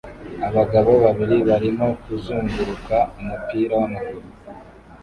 Abagabo babiri barimo kuzunguruka umupira w'amaguru